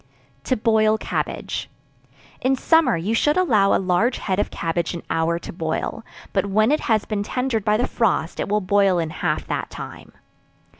To Boil Cabbage. In summer, you should allow a large head of cabbage an hour to boil, but when it has been tendered by the frost, it will boil in half that time.